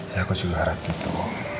ya aku juga harap gitu